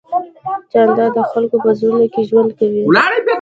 جانداد د خلکو په زړونو کې ژوند کوي.